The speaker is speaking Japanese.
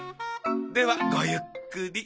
ではごゆっくり。